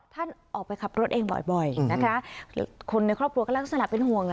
ท่านออกไปขับรถเองบ่อยบ่อยนะคะคนในครอบครัวก็ลักษณะเป็นห่วงอ่ะ